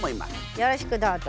よろしくどうぞ。